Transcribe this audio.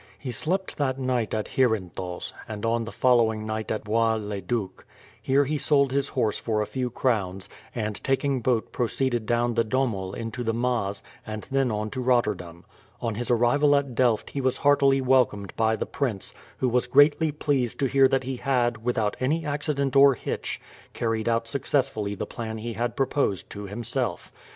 He slept that night at Heerenthals, and on the following night at Bois le Duc. Here he sold his horse for a few crowns, and taking boat proceeded down the Dommel into the Maas, and then on to Rotterdam. On his arrival at Delft he was heartily welcomed by the prince; who was greatly pleased to hear that he had, without any accident or hitch, carried out successfully the plan he had proposed to himself.